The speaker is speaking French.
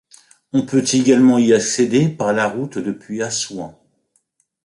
On peut également y accéder par la route depuis Assouan.